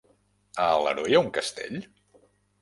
A Alaró hi ha un castell?